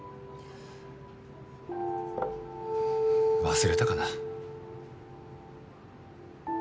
忘れたかな。